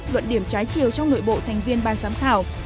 luận điểm trái chiều trong nội bộ thành viên ban giám khảo